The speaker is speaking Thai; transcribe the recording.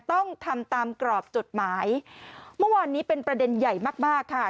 ต้องทำตามกรอบจดหมายเมื่อวานนี้เป็นประเด็นใหญ่มากมากค่ะ